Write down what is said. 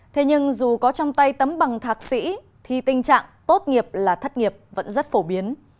thế nhưng dù có trong tay tấm bằng thạc sĩ thì tình trạng tốt nghiệp là thất nghiệp vẫn rất phổ biến